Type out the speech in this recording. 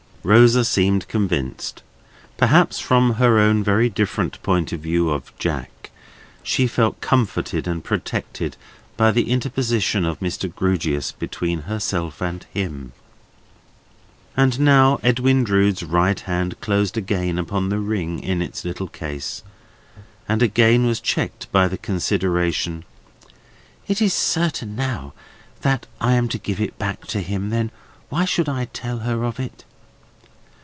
Rosa seemed convinced. Perhaps from her own very different point of view of "Jack," she felt comforted and protected by the interposition of Mr. Grewgious between herself and him. And now, Edwin Drood's right hand closed again upon the ring in its little case, and again was checked by the consideration: "It is certain, now, that I am to give it back to him; then why should I tell her of it?"